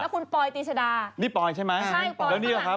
คุณปลอยตีชดา